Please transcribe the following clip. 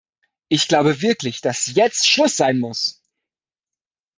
Ich glaube wirklich, dass jetzt Schluss sein muss.